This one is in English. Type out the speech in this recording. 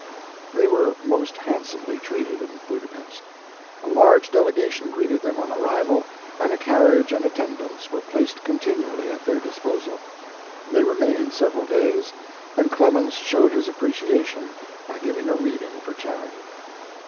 They were most handsomely treated in Budapest. A large delegation greeted them on arrival, and a carriage and attendants were placed continually at their disposal. They remained several days, and Clemens showed his appreciation by giving a reading for charity.